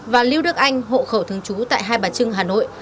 và liêu đức anh hộ khẩu thương chú tại hai bà trưng hà nội